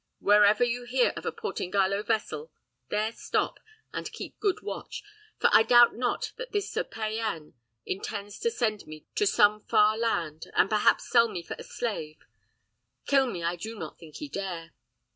Wherever you hear of a Portingallo vessel, there stop, and keep good watch; for I doubt not that this Sir Payan intends to send me to some far land, and perhaps sell me for a slave. Kill me I do not think he dare.